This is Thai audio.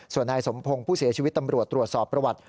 ส่วนนายสมพงศ์ผู้เสียชีวิตตำรวจตรวจสอบประวัติ